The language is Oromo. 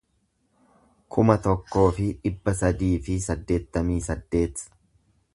kuma tokkoo fi dhibba sadii fi saddeettamii saddeet